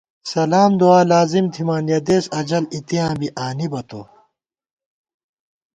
سلام دُعالازِم تھِمان، یَہ دېس اجل اِتیاں بی آنِبہ تو